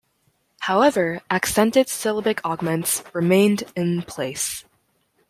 However, accented syllabic augments remained in place.